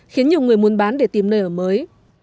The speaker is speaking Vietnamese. khiến nhiều người muốn bán để tìm nơi ở mới